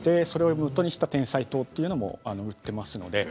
それをもとにしたてんさい糖というのも売っています。